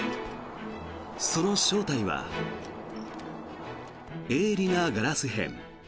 その正体は、鋭利なガラス片。